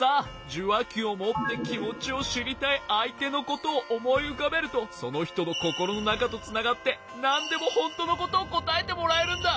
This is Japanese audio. じゅわきをもってきもちをしりたいあいてのことをおもいうかべるとそのひとのココロのなかとつながってなんでもほんとのことをこたえてもらえるんだ。